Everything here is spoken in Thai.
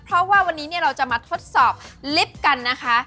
เพราะว่าวันนี้เราจะมาทดสอบลิฟต์กันนะคะ